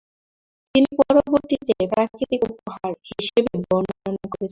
তিনি পরবর্তীতে "প্রাকৃতিক উপহার" হিসাবে বর্ণনা করেছেন।